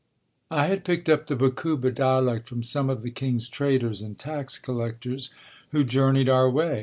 I had picked up the Bakuba dialect from some of the king's traders and tax collectors who journeyed our way.